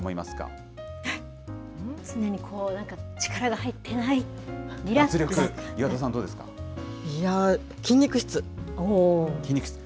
常にこうなんか、力が入ってない、リラックス。